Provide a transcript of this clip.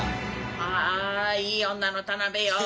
はいいい女の田辺よ。